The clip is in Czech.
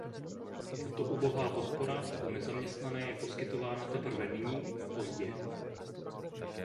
Tato ubohá podpora pro nezaměstnané je poskytována teprve nyní, pozdě.